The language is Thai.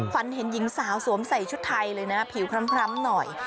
ฝันเห็นหญิงสาวสวมใส่ชุดไทยเลยนะผิวคล้ำหน่อย